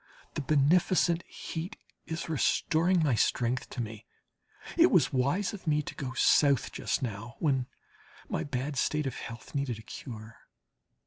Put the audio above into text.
The beneficent heat is restoring my strength to me. It was wise of me to go South just now, when my bad state of health needed a cure.